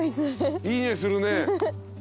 いい匂いするね。